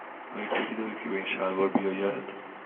آیا کتی دارید که به این شلوار بیاید؟